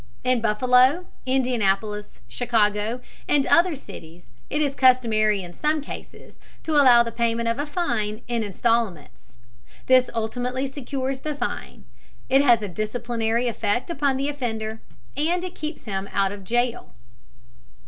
In Buffalo, Indianapolis, Chicago, and other cities it is customary in some cases to allow the payment of a fine in instalments. This ultimately secures the fine; it has a disciplinary effect upon the offender; and it keeps him out of jail.